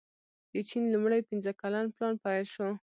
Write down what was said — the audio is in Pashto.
د چین لومړی پنځه کلن پلان پیل شو.